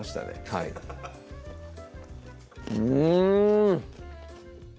はいうん！